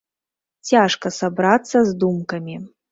Цяжка сабрацца з думкамі.